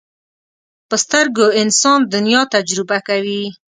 په سترګو انسان دنیا تجربه کوي